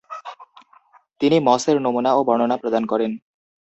তিনি মসের নমুনা ও বর্ণনা প্রদান করেন।